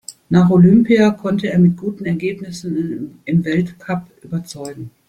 Nach Olympia konnte er mit guten Ergebnissen im Weltcup überzeugen.